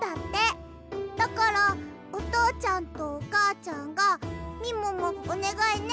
だからおとうちゃんとおかあちゃんが「みももおねがいね」